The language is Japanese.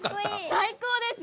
最高です！